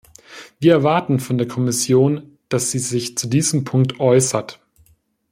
Wir erwarten von der Kommission, dass sie sich zu diesem Punkt äußert.